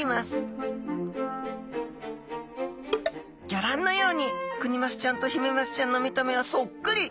ギョ覧のようにクニマスちゃんとヒメマスちゃんの見た目はそっくり！